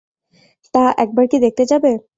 তা একবার কি দেখতে যাবে?